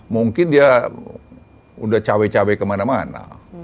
mungkin dia udah cawe cawe kemana mana